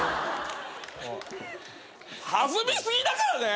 弾み過ぎだからね！